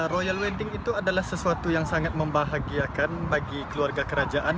royal wedding itu adalah sesuatu yang sangat membahagiakan bagi keluarga kerajaan